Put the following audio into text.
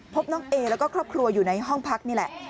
พบน้องเอแล้วก็ครอบครัวอยู่ในห้องพักนี่แหละ